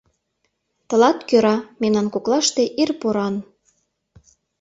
Тылат кӧра Мемнан коклаште ир поран.